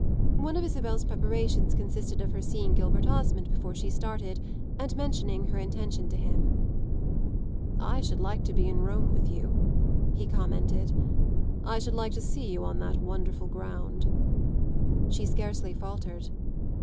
One of Isabel's preparations consisted of her seeing Gilbert Osmond before she started and mentioning her intention to him. "I should like to be in Rome with you," he commented. "I should like to see you on that wonderful ground." She scarcely faltered.